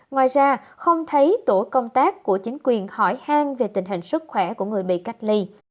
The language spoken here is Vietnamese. ngoài ra không thấy tổ công tác của chính quyền hỏi hang về tình hình sức khỏe của người bị cách ly